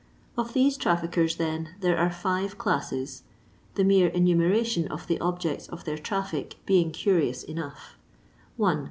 Of these traffickers, then, there are five classes, the mere enumeration of the objects of their traffic being curious enough :— 1.